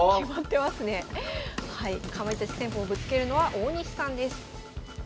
はいかまいたち戦法ぶつけるのは大西さんです。